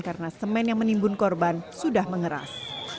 karena semen yang menimbun korban sudah mengeras